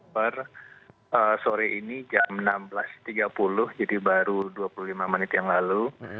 per sore ini jam enam belas tiga puluh jadi baru dua puluh lima menit yang lalu